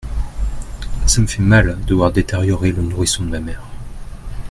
Ca me fait mal de voir détériorer le nourrisson de ma mère.